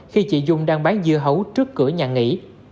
khi chị dung đang bán dưa hấu trước cửa nhà nghỉ